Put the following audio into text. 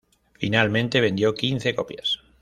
Finalmente vendió quince copias.